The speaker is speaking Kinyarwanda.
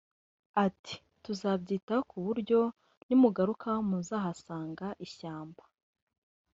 ati “tuzabyitaho ku buryo nimugaruka muzahasanga ishyamba